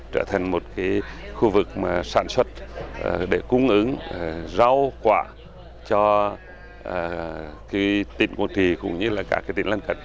trở thành một cái khu vực mà sản xuất để cung ứng rau quả cho cái tỉnh quảng trị cũng như là cả cái tỉnh lân cận